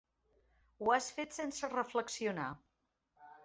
Ho has fet sense reflexionar.